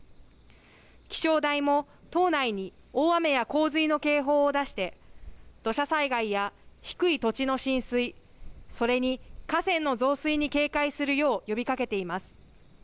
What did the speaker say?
気象台も島内に大雨や洪水の警報を出して土砂災害や低い土地の浸水それに河川の増水に警戒するよう呼びかけています。